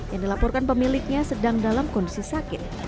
yang dilaporkan pemiliknya sedang dalam kondisi sakit